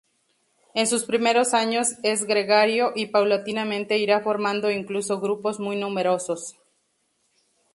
En sus primeros años es gregario, y paulatinamente irá formando incluso grupos muy numerosos.